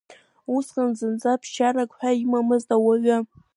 Усҟан зынӡа ԥсшьарак ҳәа имамызт ауаҩы.